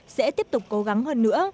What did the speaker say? sẽ tiếp tục cố gắng hơn nữa